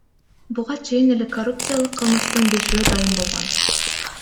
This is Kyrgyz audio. Буга чейин эле коррупциялык кылмыштын бешөө дайын болгон.